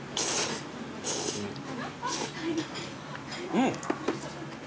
うん！